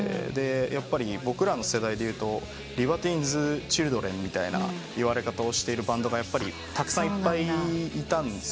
やっぱり僕らの世代でいうとリバティーンズチルドレンみたいないわれ方をしているバンドがたくさんいっぱいいたんです。